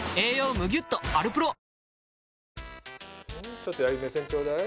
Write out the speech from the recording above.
ちょっと矢作目線ちょうだい。